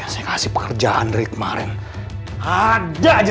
sisi rumah ini